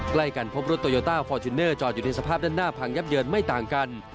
ใกล้กันพบรถโตโยต้าฟอร์จูเนอร์จอดอยู่ในสภาพด้านหน้าพังยับเยินไม่ต่างกัน